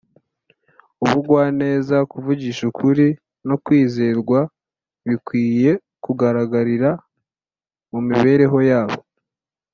‘Ubugwaneza, kuvugisha ukuri, no kwizerwa bikwiye kugaragarira mu mibereho yabo